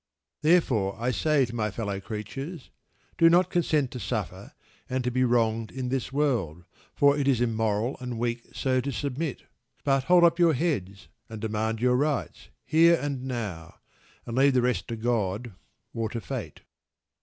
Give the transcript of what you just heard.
Therefore I say to my fellow creatures, "Do not consent to suffer, and to be wronged in this world, for it is immoral and weak so to submit; but hold up your heads, and demand your rights, here and now, and leave the rest to God, or to Fate."